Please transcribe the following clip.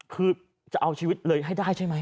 คือจะเอาชีวิตเลยให้ได้ใช่ไหม